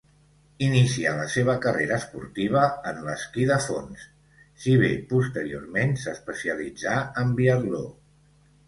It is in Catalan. Inicià la seva carrera esportiva en l'esquí de fons si bé posteriorment s'especialitzà en biatló.